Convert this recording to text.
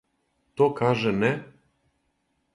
То каже, не?